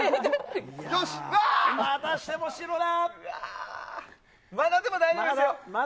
福場、またしても白だ。